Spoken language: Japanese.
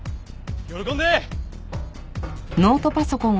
喜んで！